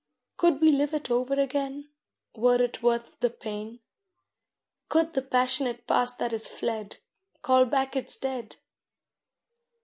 Could we live it over again, Were it worth the pain, Could the passionate past that is fled Call back its dead!